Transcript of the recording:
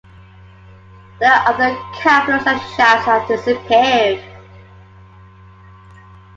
The other capitals and shafts had disappeared.